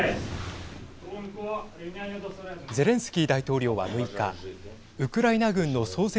ゼレンスキー大統領は６日ウクライナ軍の創設